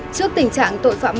trước tình trạng tội phạm